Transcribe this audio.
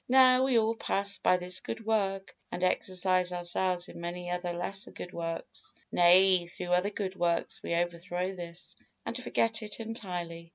Now we all pass by this good work and exercise ourselves in many other lesser good works, nay, through other good works we overthrow this and forget it entirely.